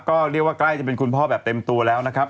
ก็เรียกว่าใกล้จะเป็นคุณพ่อแบบเต็มตัวแล้วนะครับ